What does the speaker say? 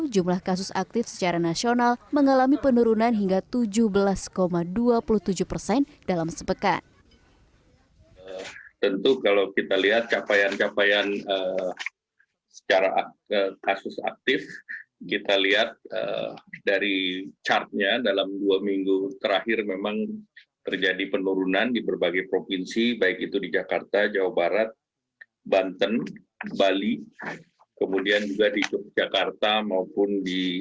jumlah kasus aktif secara nasional mengalami penurunan hingga tujuh belas dua puluh tujuh persen dalam sepekan